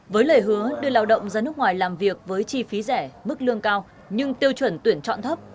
với lời hứa đưa lao động ra nước ngoài làm việc với chi phí rẻ mức lương cao nhưng tiêu chuẩn tuyển chọn thấp